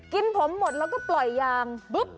กินผมหมดแล้วก็ปล่อยยางปุ๊บ